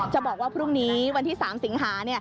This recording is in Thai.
บอกว่าพรุ่งนี้วันที่๓สิงหา